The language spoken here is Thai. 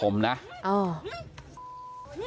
ก็กลายเป็นว่าติดต่อพี่น้องคู่นี้ไม่ได้เลยค่ะ